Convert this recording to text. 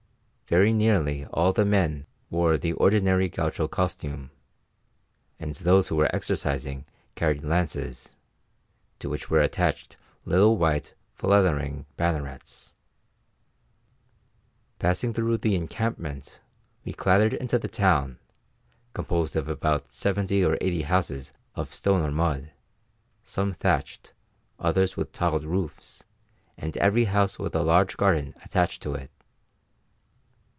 Very nearly all the men wore the ordinary gaucho costume, and those who were exercising carried lances, to which were attached little white, fluttering bannerets. Passing through the encampment, we clattered into the town, composed of about seventy or eighty houses of stone or mud, some thatched, others with tiled roofs, and every house with a large garden attached to it.